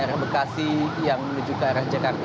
dari arah bekasi yang menuju ke arah jakarta